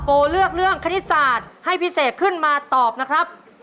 โอเลือกเรื่องคณิตศาสตร์ให้พี่เสกขึ้นมาตอบนะครับ